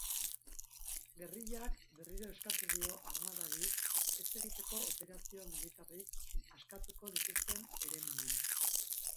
Gerrillak berriro eskatu dio armadari ez egiteko operazio militarrik askatuko dituzten eremuan.